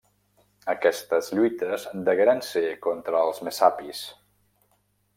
Aquestes lluites degueren ser contra els messapis.